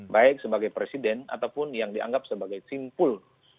baik sebagai presiden ataupun yang dianggap sebagai simpul